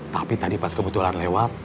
tapi tadi pas kebetulan lewat